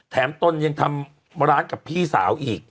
ตนยังทำร้านกับพี่สาวอีก